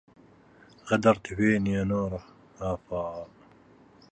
من الجياع الظماء